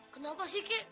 kenapa sih kik